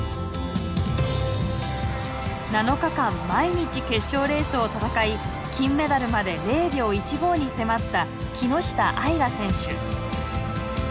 ７日間毎日決勝レースを戦い金メダルまで０秒１５に迫った木下あいら選手。